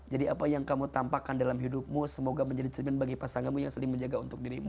jadi apa yang kamu tampakkan dalam hidupmu semoga menjadi cermin bagi pasanganmu yang saling menjaga untuk dirimu